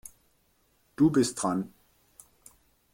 Du bist dran.